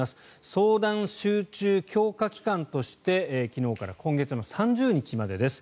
相談集中強化期間として昨日から今月の３０日までです。